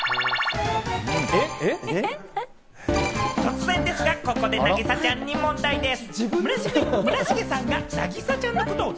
突然ですが、ここで凪咲ちゃんに問題です。